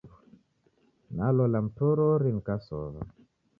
Nalola mmtorori nikasowa